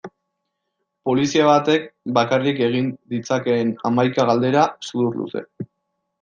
Polizia batek bakarrik egin ditzakeen hamaika galdera sudurluze.